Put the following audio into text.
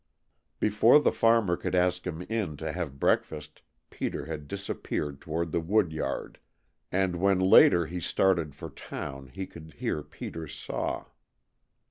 Before the farmer could ask him in to have breakfast Peter had disappeared toward the wood yard, and when, later, he started for town he could hear Peter's saw.